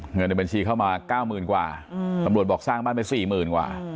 เงินในบัญชีเข้ามา๙๐๐กว่าตำรวจบอกสร้างบ้านไป๔๐๐๐กว่า